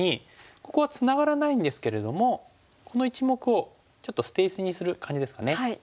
ここはツナがらないんですけれどもこの１目をちょっと捨て石にする感じですかね。